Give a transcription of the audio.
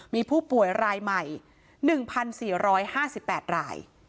มีผู้ป่วยรายใหม่๑๔๕๘ราย